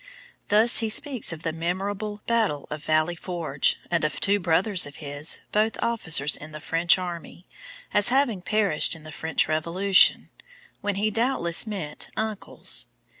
Thus he speaks of the "memorable battle of Valley Forge" and of two brothers of his, both officers in the French army, as having perished in the French Revolution, when he doubtless meant uncles.